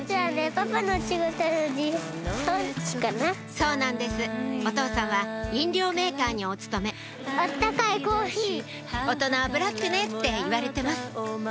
そうなんですお父さんは飲料メーカーにお勤め「大人はブラックね」って言われてます